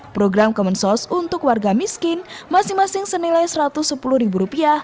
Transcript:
program kemensos untuk warga miskin masing masing senilai rp satu ratus sepuluh